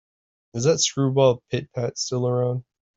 Is that screwball Pit-Pat still around?